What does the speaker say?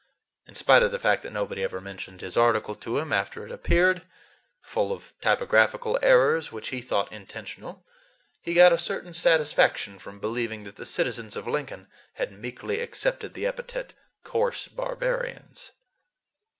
In spite of the fact that nobody ever mentioned his article to him after it appeared—full of typographical errors which he thought intentional—he got a certain satisfaction from believing that the citizens of Lincoln had meekly accepted the epithet "coarse barbarians."